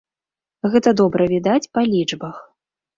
Гэта добра відаць па лічбах.